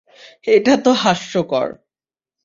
এটা তো হাস্যকর!